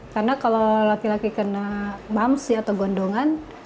karena kalau laki laki kena mamsi atau gondongan